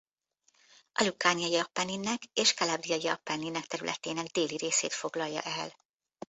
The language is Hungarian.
A Lukániai-Appenninek és Calabriai-Appenninek területének déli részét foglalja el.